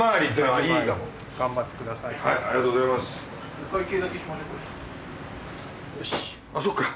あっそっか。